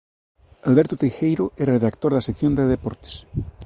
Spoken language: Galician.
Alberto Teijeiro era redactor da sección de deportes.